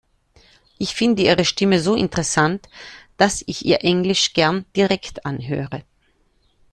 Ich finde Ihre Stimme so interessant, dass ich Ihr Englisch gern direkt anhöre.